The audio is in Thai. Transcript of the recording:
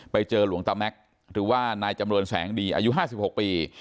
ไปเจอหลวงตะแม็กซ์หรือว่านายจำเรินแสงดีอายุ๕๖ปี